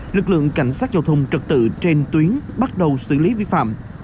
lực lượng cảnh sát giao thông trật tự trên tuyến bắt đầu xử lý vi phạm